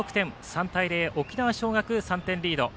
３対０、沖縄尚学３点リード。